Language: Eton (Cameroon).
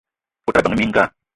O tala ebeng minga